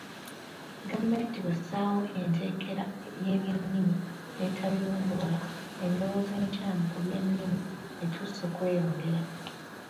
"Gavumenti bw'essaawo enteekera y'ebyennimi n'etabirondoola, endowooza enkyamu ku by'ennimi etuuse okweyongera ."